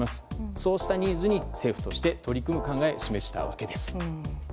そうしたニーズに政府として取り組む考えを示したわけです。